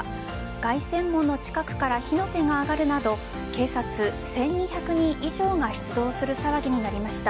凱旋門の近くから火の手が上がるなど警察１２００人以上が出動する騒ぎになりました。